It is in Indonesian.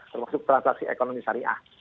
termasuk transaksi ekonomi syariah